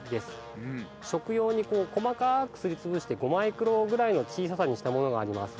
食用に細かくすりつぶして５マイクロぐらいの小ささにしたものがあります。